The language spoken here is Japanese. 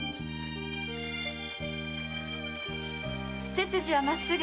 背筋は真っすぐ。